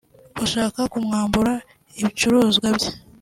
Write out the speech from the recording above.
bashaka kumwambura ibicuruzwa bye